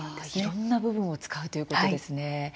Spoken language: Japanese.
いろんな部分を使うということですね。